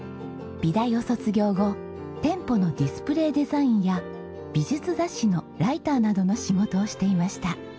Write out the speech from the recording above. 美大を卒業後店舗のディスプレーデザインや美術雑誌のライターなどの仕事をしていました。